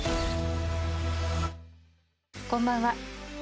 こんばんは。